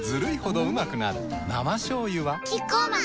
生しょうゆはキッコーマン